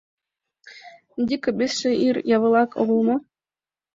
— Дико-бесше ир явылак огыл мо?